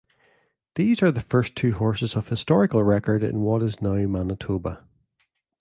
These are the first two horses of historical record in what is now Manitoba.